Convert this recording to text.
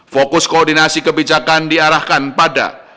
fokus koordinasi kebijakan diarahkan pada